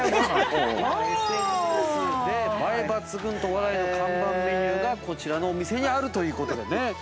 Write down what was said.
◆今、ＳＮＳで映え抜群と話題の看板メニューがこちらのお店にあるということでね。